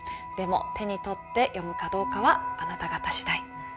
でも手に取って読むかどうかはあなた方次第。